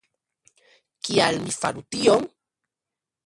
Kial mi faru tion?